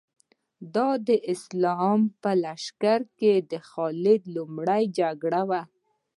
دا د اسلام په لښکر کې د خالد لومړۍ جګړه وه.